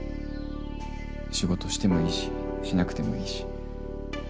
仕事してもいいししなくてもいいし。